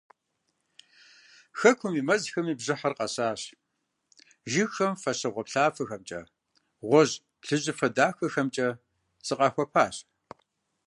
Хэкум и мэзхэми бжьыхьэр къэсащ, жыгхэм фащэ гъуаплъафэхэмкӏэ, гъуэжь-плъыжьыфэ дахэхэмкӀэ зыкъахуэпащ.